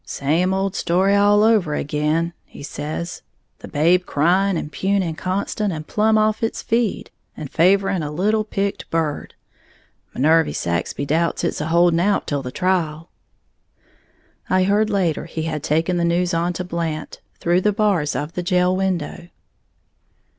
"Same old story all over ag'in," he says, "the babe crying and puning constant, and plumb off its feed, and favoring a little picked bird. Minervy Saxby doubts it's a holding out till the trial." I heard later he had taken the news on to Blant, through the bars of the jail window.